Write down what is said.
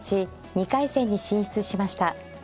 ２回戦に進出しました。